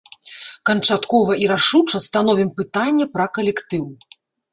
Канчаткова і рашуча становім пытанне пра калектыў.